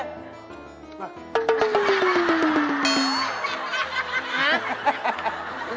อะไรนะ